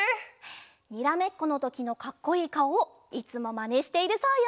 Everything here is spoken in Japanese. にらめっこのときのかっこいいかおいつもまねしているそうよ。